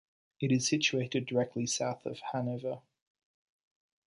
It is situated directly south of Hanover.